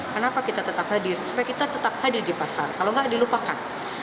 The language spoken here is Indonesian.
kenapa kita tetap hadir supaya kita tetap hadir di pasar kalau nggak dilupakan